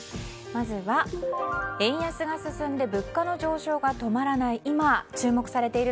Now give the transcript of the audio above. まずは円安が進んで物価の上昇が止まらない